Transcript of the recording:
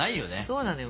そうなのよ。